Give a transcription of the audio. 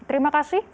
terima kasih pak